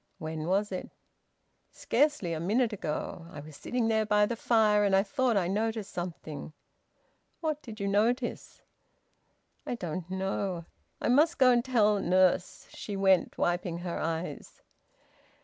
"When was it?" "Scarcely a minute ago. I was sitting there, by the fire, and I thought I noticed something " "What did you notice?" "I don't know... I must go and tell nurse." She went, wiping her eyes.